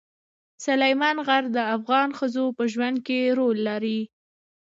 سلیمان غر د افغان ښځو په ژوند کې رول لري.